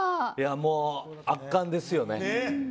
もう圧巻でしたよね。